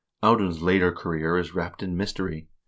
Audun's later career is wrapped in mystery.